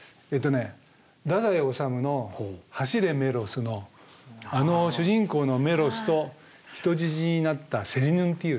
太宰治の「走れメロス」のあの主人公のメロスと人質になったセリヌンティウス。